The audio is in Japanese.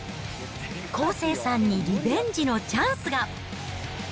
康生さんにリベンジのチャンスが。